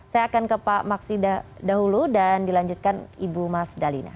saya akan ke pak maksida dahulu dan dilanjutkan ibu mas dalina